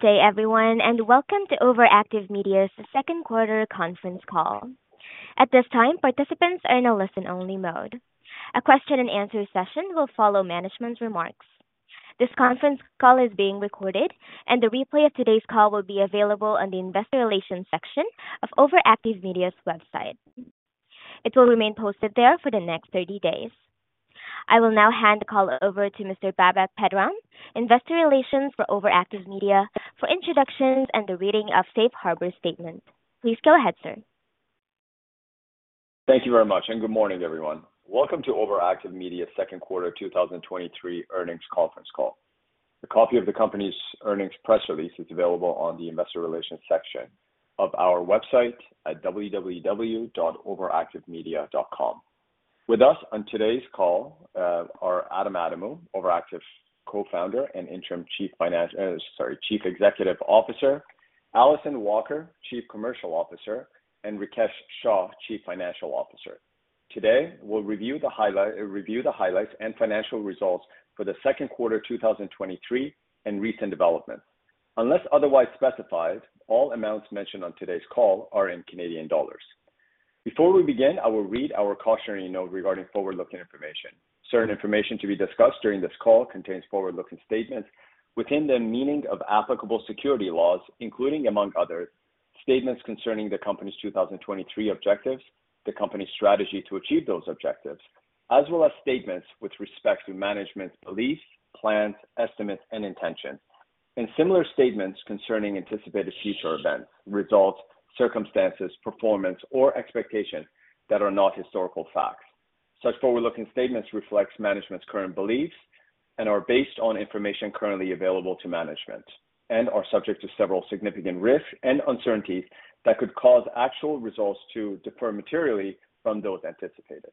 Good day, everyone, and welcome to OverActive Media's Second Quarter conference call. At this time, participants are in a listen-only mode. A question and answer session will follow management's remarks. This conference call is being recorded, and the replay of today's call will be available on the investor relations section of OverActive Media's website. It will remain posted there for the next 30 days. I will now hand the call over to Mr. Babak Pedram, investor relations for OverActive Media, for introductions and the reading of Safe Harbor statement. Please go ahead, sir. Thank you very much, and good morning, everyone. Welcome to OverActive Media's Second Quarter 2023 earnings conference call. A copy of the company's earnings press release is available on the investor relations section of our website at www.overactivemedia.com. With us on today's call, are Adam Adamou, OverActive's Co-Founder and Interim Chief Financial-- sorry, Chief Executive Officer, Alyson Walker, Chief Commercial Officer, and Rikesh Shah, Chief Financial Officer. Today, we'll review the highlight, review the highlights and financial results for the second quarter 2023 and recent developments. Unless otherwise specified, all amounts mentioned on today's call are in Canadian dollars. Before we begin, I will read our cautionary note regarding forward-looking information. Certain information to be discussed during this call contains forward-looking statements within the meaning of applicable security laws, including, among others, statements concerning the company's 2023 objectives, the company's strategy to achieve those objectives, as well as statements with respect to management's beliefs, plans, estimates, and intentions, and similar statements concerning anticipated future events, results, circumstances, performance, or expectations that are not historical facts. Such forward-looking statements reflects management's current beliefs and are based on information currently available to management and are subject to several significant risks and uncertainties that could cause actual results to differ materially from those anticipated.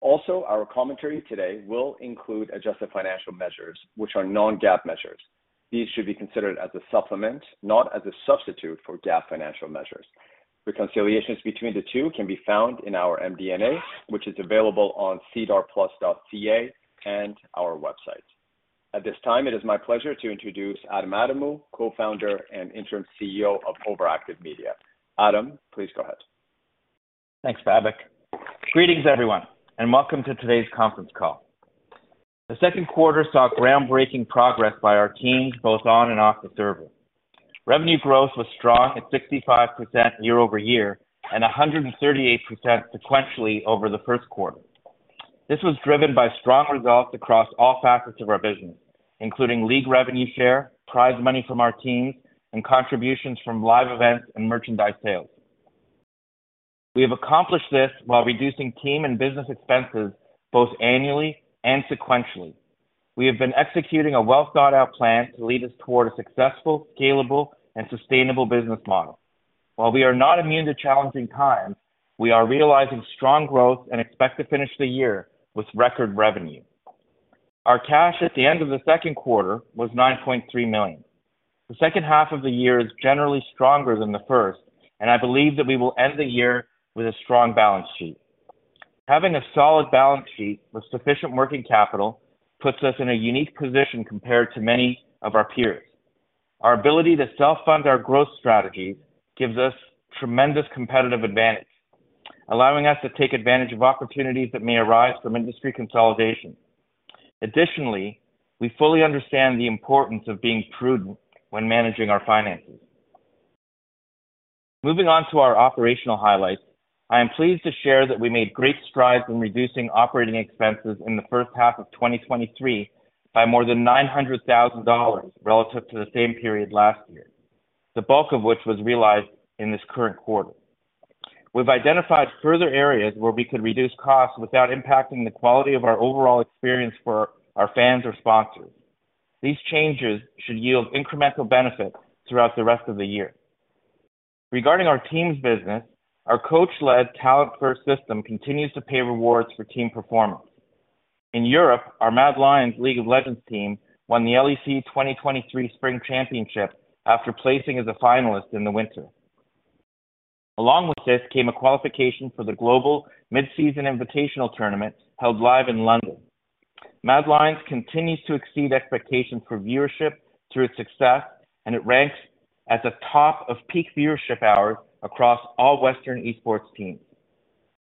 Also, our commentary today will include adjusted financial measures, which are Non-GAAP measures. These should be considered as a supplement, not as a substitute, for GAAP financial measures. Reconciliations between the two can be found in our MD&A, which is available on Sedarplus.ca and our website. At this time, it is my pleasure to introduce Adam Adamou, Co-Founder and Interim CEO of OverActive Media. Adam, please go ahead. Thanks, Babak. Greetings, everyone, and welcome to today's conference call. The second quarter saw groundbreaking progress by our team, both on and off the server. Revenue growth was strong at 65% year-over-year and 138% sequentially over the first quarter. This was driven by strong results across all facets of our business, including league revenue share, prize money from our teams, and contributions from live events and merchandise sales. We have accomplished this while reducing team and business expenses, both annually and sequentially. We have been executing a well-thought-out plan to lead us toward a successful, scalable, and sustainable business model. While we are not immune to challenging times, we are realizing strong growth and expect to finish the year with record revenue. Our cash at the end of the second quarter was 9.3 million. The second half of the year is generally stronger than the first, and I believe that we will end the year with a strong balance sheet. Having a solid balance sheet with sufficient working capital puts us in a unique position compared to many of our peers. Our ability to self-fund our growth strategies gives us tremendous competitive advantage, allowing us to take advantage of opportunities that may arise from industry consolidation. Additionally, we fully understand the importance of being prudent when managing our finances. Moving on to our operational highlights, I am pleased to share that we made great strides in reducing operating expenses in the first half of 2023 by more than 900,000 dollars relative to the same period last year, the bulk of which was realized in this current quarter. We've identified further areas where we could reduce costs without impacting the quality of our overall experience for our fans or sponsors. These changes should yield incremental benefits throughout the rest of the year. Regarding our teams business, our coach-led, talent-first system continues to pay rewards for team performance. In Europe, our MAD Lions League of Legends team won the LEC 2023 Spring Championship after placing as a finalist in the winter. Along with this came a qualification for the global Mid-Season Invitational Tournament held live in London. MAD Lions continues to exceed expectations for viewership through its success, and it ranks at the top of peak viewership hours across all Western esports teams.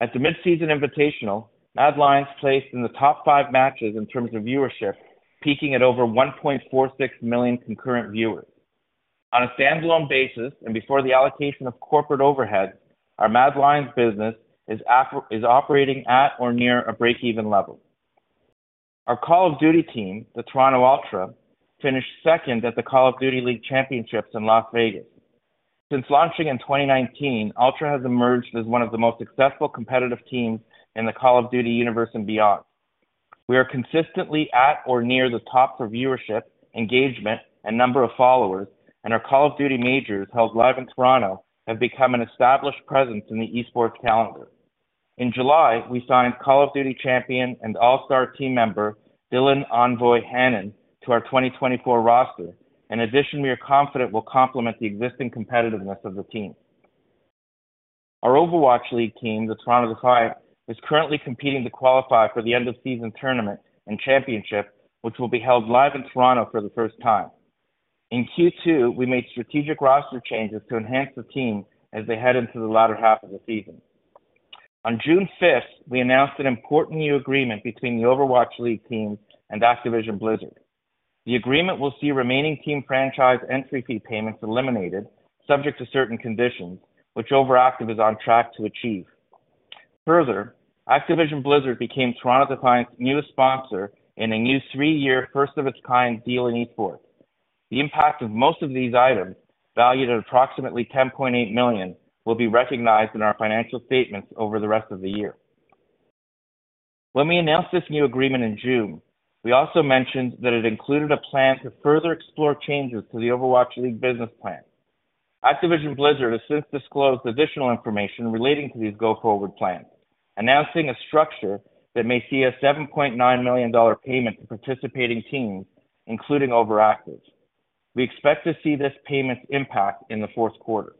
At the Mid-Season Invitational, MAD Lions placed in the top five matches in terms of viewership, peaking at over 1.46 million concurrent viewers. On a standalone basis, and before the allocation of corporate overhead, our MAD Lions business is operating at or near a breakeven level. Our Call of Duty team, the Toronto Ultra, finished second at the Call of Duty League Championships in Las Vegas. Since launching in 2019, Ultra has emerged as one of the most successful competitive teams in the Call of Duty universe and beyond. We are consistently at or near the top for viewership, engagement, and number of followers, and our Call of Duty Majors, held live in Toronto, have become an established presence in the esports calendar. In July, we signed Call of Duty champion and all-star team member, Dylan "Envoy" Hannon, to our 2024 roster, an addition we are confident will complement the existing competitiveness of the team. Our Overwatch League team, the Toronto Defiant, is currently competing to qualify for the end of season tournament and championship, which will be held live in Toronto for the first time. In Q2, we made strategic roster changes to enhance the team as they head into the latter half of the season. On June 5, we announced an important new agreement between the Overwatch League team and Activision Blizzard. The agreement will see remaining team franchise entry fee payments eliminated, subject to certain conditions, which OverActive is on track to achieve. Further, Activision Blizzard became Toronto Defiant's newest sponsor in a new 3-year, first-of-its-kind deal in Esports. The impact of most of these items, valued at approximately $10.8 million, will be recognized in our financial statements over the rest of the year. When we announced this new agreement in June, we also mentioned that it included a plan to further explore changes to the Overwatch League business plan. Activision Blizzard has since disclosed additional information relating to these go-forward plans, announcing a structure that may see a $7.9 million payment to participating teams, including OverActive. We expect to see this payment's impact in the fourth quarter.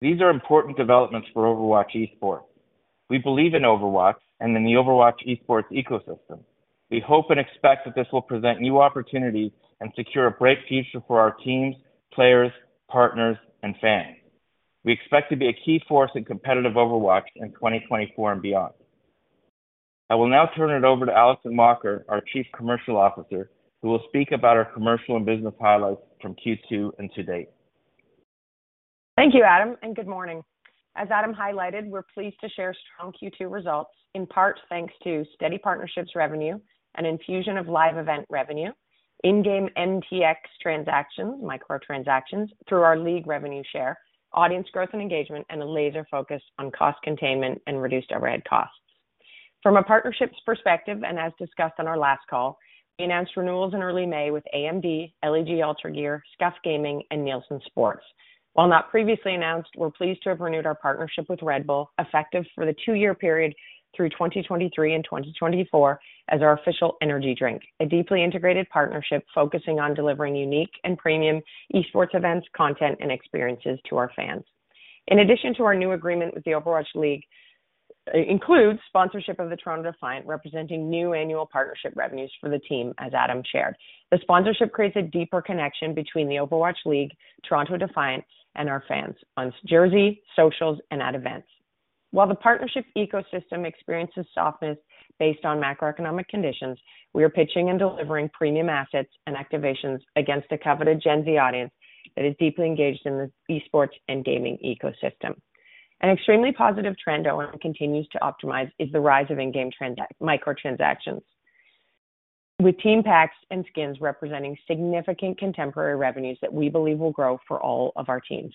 These are important developments for Overwatch Esports. We believe in Overwatch and in the Overwatch Esports ecosystem. We hope and expect that this will present new opportunities and secure a bright future for our teams, players, partners, and fans. We expect to be a key force in competitive Overwatch in 2024 and beyond. I will now turn it over to Alyson Walker, our Chief Commercial Officer, who will speak about our commercial and business highlights from Q2 and to date. Thank you, Adam, and good morning. As Adam highlighted, we're pleased to share strong Q2 results, in part thanks to steady partnerships revenue, an infusion of live event revenue, in-game MTX transactions, microtransactions through our league revenue share, audience growth and engagement, and a laser focus on cost containment and reduced overhead costs. From a partnerships perspective, and as discussed on our last call, we announced renewals in early May with AMD, LG UltraGear, SCUF Gaming, and Nielsen Sports. While not previously announced, we're pleased to have renewed our partnership with Red Bull, effective for the two-year period through 2023 and 2024 as our official energy drink. A deeply integrated partnership focusing on delivering unique and premium esports events, content and experiences to our fans. In addition to our new agreement with the Overwatch League, includes sponsorship of the Toronto Defiant, representing new annual partnership revenues for the team, as Adam shared. The sponsorship creates a deeper connection between the Overwatch League, Toronto Defiant, and our fans on jersey, socials and at events. While the partnership ecosystem experiences softness based on macroeconomic conditions, we are pitching and delivering premium assets and activations against a coveted Gen Z audience that is deeply engaged in the esports and gaming ecosystem. An extremely positive trend OverActive Media continues to optimize is the rise of in-game microtransactions, with team packs and skins representing significant contemporary revenues that we believe will grow for all of our teams.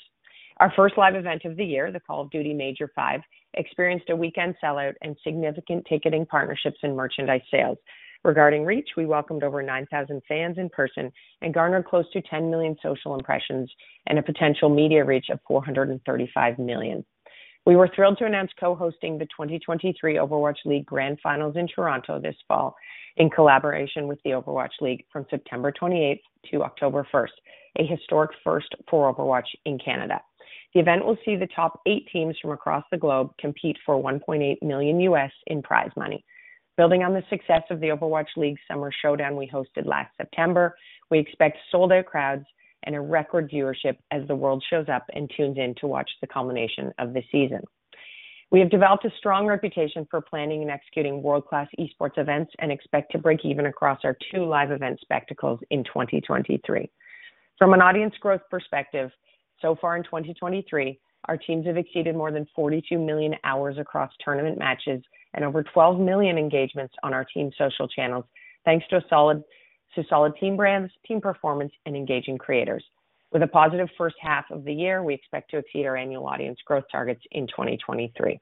Our first live event of the year, the Call of Duty Major 5, experienced a weekend sellout and significant ticketing partnerships and merchandise sales. Regarding Reach, we welcomed over 9,000 fans in person and garnered close to 10 million social impressions and a potential media reach of 435 million. We were thrilled to announce co-hosting the 2023 Overwatch League Grand Finals in Toronto this fall, in collaboration with the Overwatch League from September 28th to October 1st, a historic first for Overwatch in Canada. The event will see the top 8 teams from across the globe compete for $1.8 million in prize money. Building on the success of the Overwatch League Summer Showdown we hosted last September, we expect sold-out crowds and a record viewership as the world shows up and tunes in to watch the culmination of the season. We have developed a strong reputation for planning and executing world-class esports events and expect to break even across our two live event spectacles in 2023. From an audience growth perspective, so far in 2023, our teams have exceeded more than 42 million hours across tournament matches and over 12 million engagements on our team social channels, thanks to a solid, to solid team brands, team performance, and engaging creators. With a positive first half of the year, we expect to exceed our annual audience growth targets in 2023.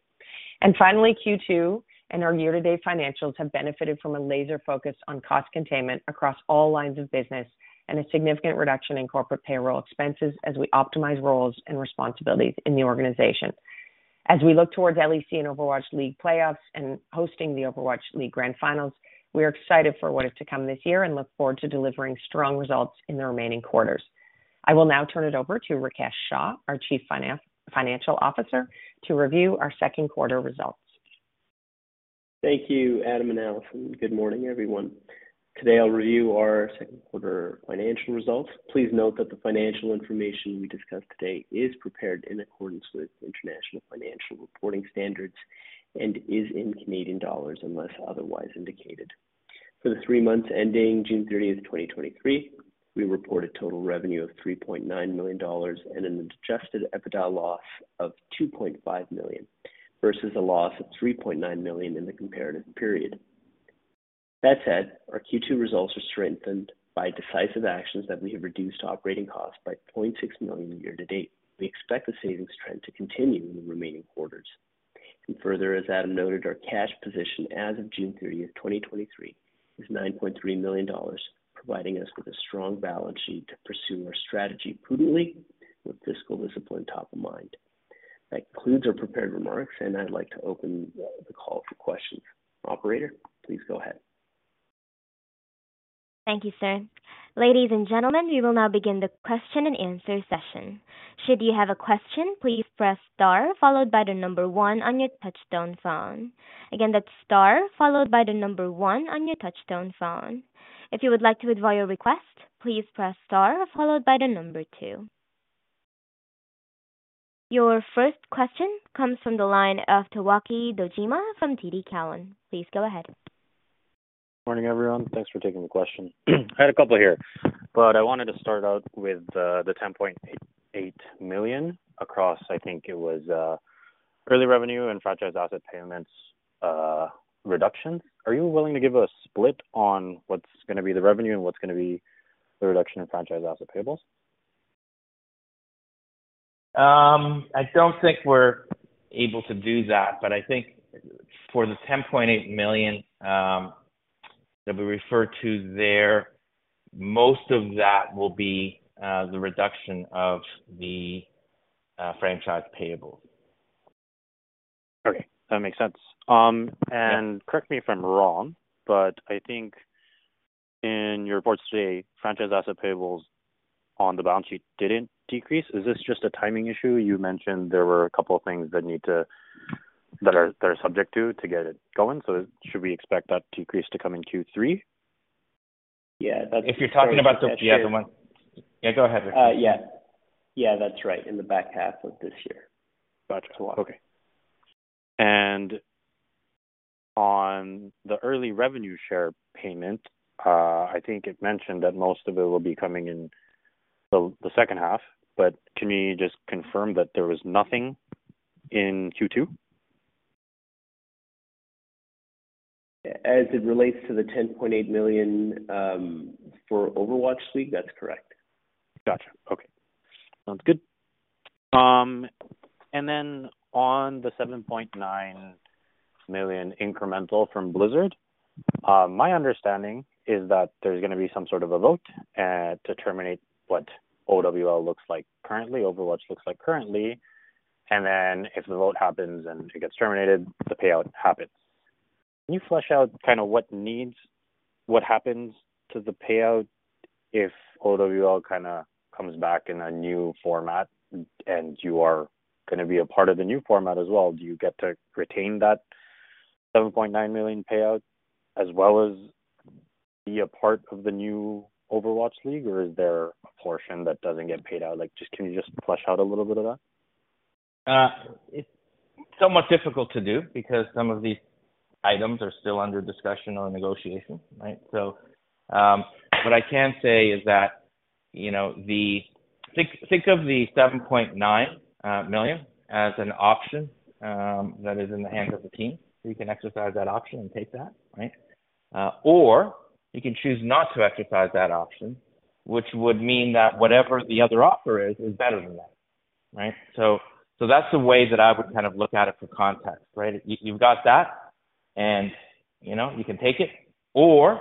Finally, Q2 and our year-to-date financials have benefited from a laser focus on cost containment across all lines of business and a significant reduction in corporate payroll expenses as we optimize roles and responsibilities in the organization. As we look towards LEC and Overwatch League playoffs and hosting the Overwatch League Grand Finals, we are excited for what is to come this year and look forward to delivering strong results in the remaining quarters. I will now turn it over to Rikesh Shah, our Chief Financial Officer, to review our second quarter results. Thank you, Adam and Alyson. Good morning, everyone. Today I'll review our Second Quarter financial results. Please note that the financial information we discuss today is prepared in accordance with International Financial Reporting Standards and is in Canadian dollars, unless otherwise indicated. For the 3 months ending June 30, 2023, we reported total revenue of 3.9 million dollars and an Adjusted EBITDA loss of 2.5 million, versus a loss of 3.9 million in the comparative period. That said, our Q2 results are strengthened by decisive actions that we have reduced operating costs by 0.6 million year-to-date. We expect the savings trend to continue in the remaining quarters. Further, as Adam noted, our cash position as of June 30th, 2023, is 9.3 million dollars, providing us with a strong balance sheet to pursue our strategy prudently with fiscal discipline top of mind. That concludes our prepared remarks, and I'd like to open the call for questions. Operator, please go ahead. Thank you, sir. Ladies and gentlemen, we will now begin the question and answer session. Should you have a question, please press star followed by the number one on your touchtone phone. Again, that's star followed by the number one on your touchtone phone. If you would like to withdraw your request, please press star followed by the number two. Your first question comes from the line of Towaki Dojima from TD Cowen. Please go ahead. Morning, everyone. Thanks for taking the question. I had a couple here, but I wanted to start out with the 10.88 million across I think it was, early revenue and franchise asset payments, reduction. Are you willing to give a split on what's gonna be the revenue and what's gonna be the reduction in franchise asset payables? I don't think we're able to do that, but I think for the 10.8 million that we refer to there, most of that will be the reduction of the franchise payables. Okay, that makes sense. Correct me if I'm wrong, but I think in your report today, franchise asset payables on the balance sheet didn't decrease. Is this just a timing issue? You mentioned there were a couple of things that are subject to get it going. Should we expect that decrease to come in Q3? Yeah. If you're talking about the yeah, go ahead, Rikesh. Yeah. Yeah, that's right. In the back half of this year. Gotcha. Okay. On the early revenue share payment, I think it mentioned that most of it will be coming in the, the second half, but can you just confirm that there was nothing in Q2? As it relates to the 10.8 million for Overwatch League, that's correct. Gotcha. Okay. Sounds good. On the $7.9 million incremental from Blizzard, my understanding is that there's gonna be some sort of a vote to terminate what OWL looks like currently, Overwatch looks like currently, and then if the vote happens and it gets terminated, the payout happens. Can you flesh out what needs, what happens to the payout if OWL comes back in a new format, and you are gonna be a part of the new format as well? Do you get to retain that $7.9 million payout as well as be a part of the new Overwatch League, or is there a portion that doesn't get paid out? Just, can you just flesh out a little bit of that? It's somewhat difficult to do because some of these items are still under discussion or negotiation, right? What I can say is that, you know, Think, think of the 7.9 million as an option that is in the hands of the team. You can exercise that option and take that, right? Or you can choose not to exercise that option, which would mean that whatever the other offer is, is better than that, right? That's the way that I would kind of look at it for context, right? You, you've got that and, you know, you can take it, or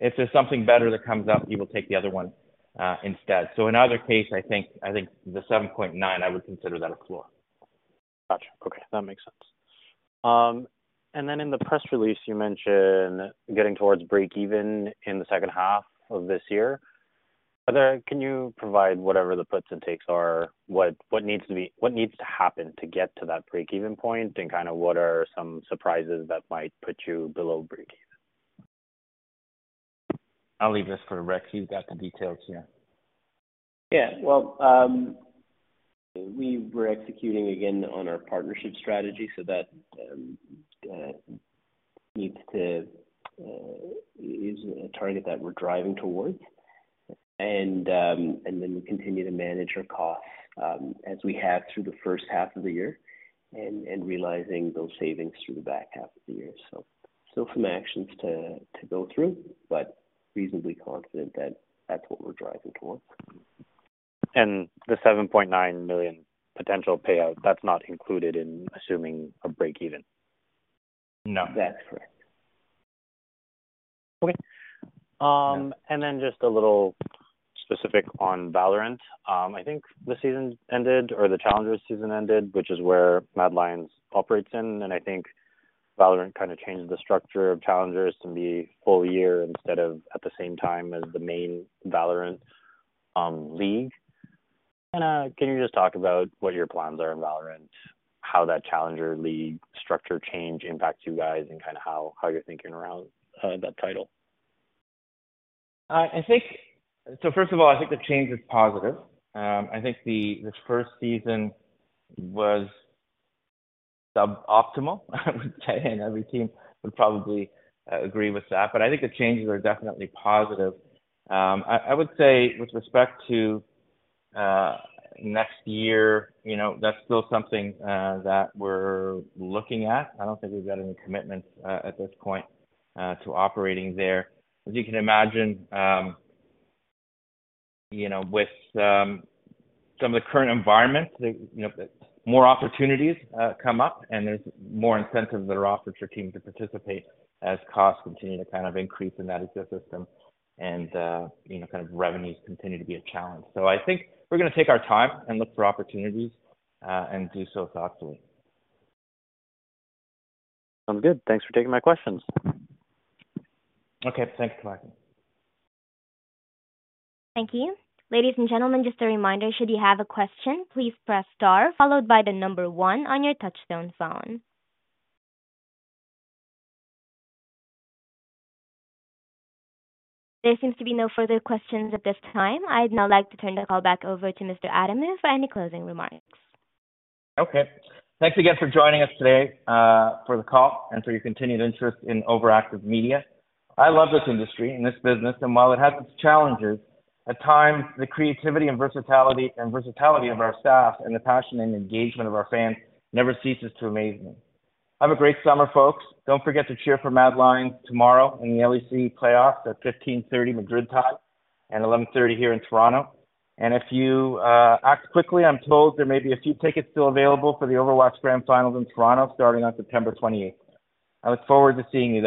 if there's something better that comes up, you will take the other one instead. In either case, I think, I think the 7.9, I would consider that a floor. Gotcha. Okay, that makes sense. Then in the press release, you mentioned getting towards break even in the second half of this year. Can you provide whatever the puts and takes are, what needs to happen to get to that break even point? Kind of what are some surprises that might put you below break even? I'll leave this for Rikesh. He's got the details here. Yeah. Well, we were executing again on our partnership strategy, so that needs to is a target that we're driving towards. Then we continue to manage our costs as we have through the first half of the year, and realizing those savings through the back half of the year. Still some actions to go through, but reasonably confident that that's what we're driving towards. The 7.9 million potential payout, that's not included in assuming a break even? No. That's correct. Okay. Just a little specific on Valorant. I think the season ended, or the Challengers season ended, which is where MAD Lions operates in. I think Valorant kind of changed the structure of Challengers to be full year instead of at the same time as the main Valorant league. Can you just talk about what your plans are in Valorant, how that Challenger league structure change impacts you guys, and how, how you're thinking around that title? I think... first of all, I think the change is positive. I think the, the first season was suboptimal, I would say, and every team would probably agree with that. I think the changes are definitely positive. I, I would say with respect to next year, you know, that's still something that we're looking at. I don't think we've got any commitments at this point to operating there. As you can imagine, you know, with some of the current environment, you know, more opportunities come up, and there's more incentives that are offered for teams to participate as costs continue to kind of increase in that ecosystem and, you know, kind of revenues continue to be a challenge. I think we're gonna take our time and look for opportunities and do so thoughtfully. Sounds good. Thanks for taking my questions. Okay. Thanks, Towaki. Thank you. Ladies and gentlemen, just a reminder, should you have a question, please press star followed by the number one on your touchtone phone. There seems to be no further questions at this time. I'd now like to turn the call back over to Mr. Adamou for any closing remarks. Okay. Thanks again for joining us today for the call and for your continued interest in OverActive Media. I love this industry and this business, and while it has its challenges, at times, the creativity and versatility, and versatility of our staff and the passion and engagement of our fans never ceases to amaze me. Have a great summer, folks. Don't forget to cheer for MAD Lions tomorrow in the LEC playoffs at 15:30, Madrid time, and 11:30 here in Toronto. If you act quickly, I'm told there may be a few tickets still available for the Overwatch Grand Finals in Toronto, starting on September 28th. I look forward to seeing you there.